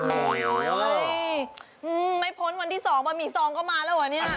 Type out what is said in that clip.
โอ้โหไม่พ้นวันที่๒บะหมี่ซองก็มาแล้วเหรอเนี่ย